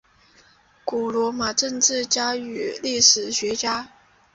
古罗马政治家与历史学家。